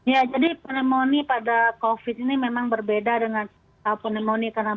ya jadi pneumonia